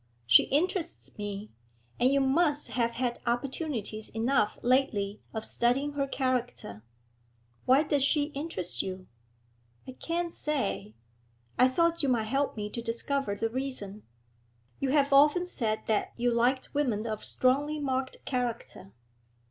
She interests me, and you must have had opportunities enough lately of studying her character?' 'Why does she interest you?' 'I can't say. I thought you might help me to discover the reason. You have often said that you liked women of strongly marked character.'